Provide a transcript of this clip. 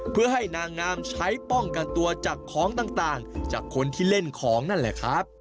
เพื่อให้นางงามใช้ป้องกันตัวจากของต่างจากคนที่เล่นของนั่นแหละครับ